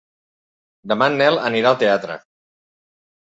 Demà en Nel anirà al teatre.